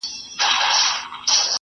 زه بوټونه پاک کړي دي،